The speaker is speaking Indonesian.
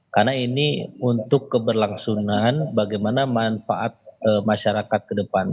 karena ini untuk keberlangsungan bagaimana manfaat masyarakat ke depan